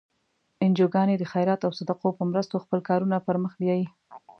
انجوګانې د خیرات او صدقو په مرستو خپل کارونه پر مخ بیایي.